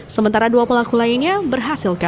sementara dua pelaku lainnya berhasil